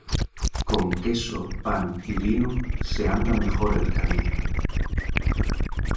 Con queso, pan y vino, se anda mejor el camino.